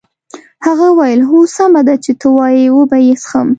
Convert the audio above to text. هغه وویل هو سمه ده چې ته وایې وبه یې څښم.